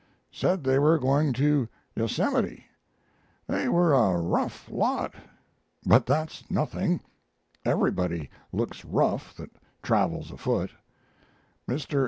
Said they were going to the Yosemite. They were a rough lot, but that's nothing; everybody looks rough that travels afoot. Mr.